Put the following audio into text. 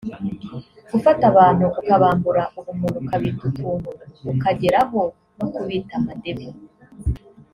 Gufata abantu ukabambura ubumuntu ukabita utuntu ukageraho no kubita amadebe